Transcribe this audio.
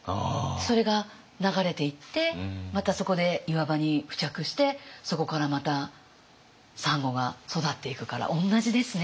それが流れていってまたそこで岩場に付着してそこからまたサンゴが育っていくから同じですね。